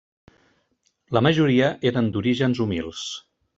La majoria eren d'orígens humils.